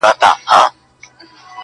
هم قاري سو هم یې ټول قرآن په یاد کړ٫